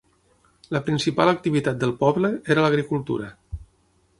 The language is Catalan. La principal activitat del poble era l'agricultura.